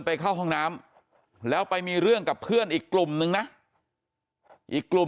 ไปเข้าห้องน้ำแล้วไปมีเรื่องกับเพื่อนอีกกลุ่มนึงนะอีกกลุ่ม